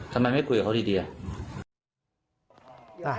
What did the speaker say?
ทำไมไม่พูดกับเขาดีละ